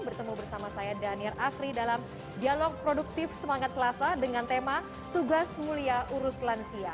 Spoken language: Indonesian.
bertemu bersama saya daniel afri dalam dialog produktif semangat selasa dengan tema tugas mulia urus lansia